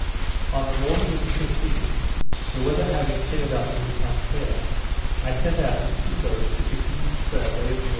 On the morning of the 15th, the weather having cleared up and become fair, I set out with two boats to continue the survey of the N.W.